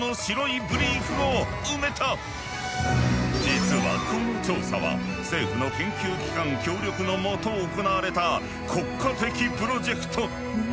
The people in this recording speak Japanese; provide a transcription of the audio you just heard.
実はこの調査は政府の研究機関協力のもと行われた国家的プロジェクト！